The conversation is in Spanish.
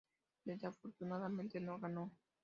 Desafortunadamente no ganó.